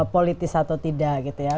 politis atau tidak gitu ya